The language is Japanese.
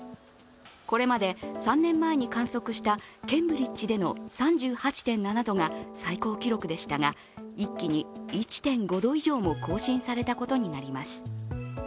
これまで３年前に観測したケンブリッジでの３８．７度が最高記録でしたが、一気に１．５度以上も更新されたことになります。